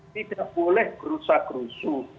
tidak boleh gerusa gerusu